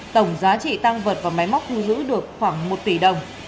tổng giá trị tăng vật và máy móc thu giữ được khoảng một tỷ đồng